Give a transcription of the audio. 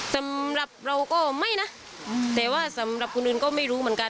สำหรับเราก็ไม่นะแต่ว่าสำหรับคนอื่นก็ไม่รู้เหมือนกัน